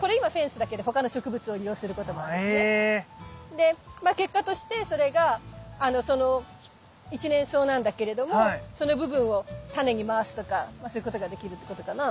で結果としてそれが一年草なんだけれどもその部分をタネに回すとかそういうことができるってことかな。